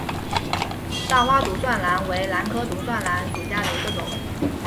大花独蒜兰为兰科独蒜兰属下的一个种。